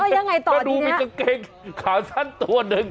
ยังไงต่อก็ดูมีกางเกงขาสั้นตัวหนึ่ง